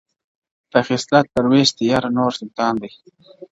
په خِصلت درویش دی یاره نور سلطان دی,